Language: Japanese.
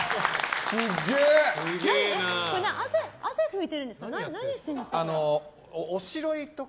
汗拭いてるんですか？